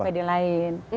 sebelumnya di lain